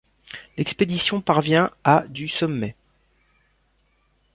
L'expédition parvient à du sommet.